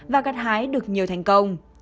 và gắt hái được nhiều thành công